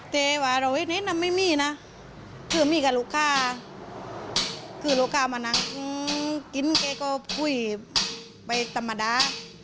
ตามด้านข้างอยู่แล้วไม่มีนะหมีแกงกายลูกค้ามานั่งกิ้นก็คุยไปตามดา